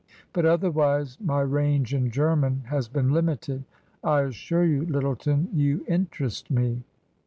But otherwise my range in German has been limited. I assure you, Lyttleton, you interest me."